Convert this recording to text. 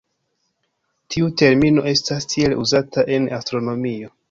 Tiu termino estas tiele uzata en astronomio.